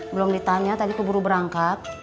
belum ditanya tadi keburu berangkat